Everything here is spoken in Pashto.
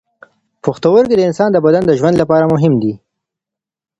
پښتورګي د انسان د بدن د ژوند لپاره مهم دي.